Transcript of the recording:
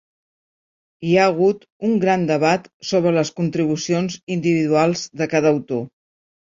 Hi ha hagut un gran debat sobre les contribucions individuals de cada autor.